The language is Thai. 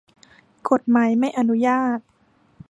กฎหมายไม่อนุญาต